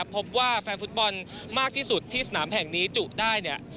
พบว่าแฟนฟุตบอลมากที่สุดที่สนามแห่งนี้จุได้เนี่ย